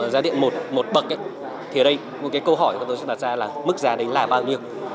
giá điện một bậc thì đây một câu hỏi tôi sẽ đặt ra là mức giá đấy là bao nhiêu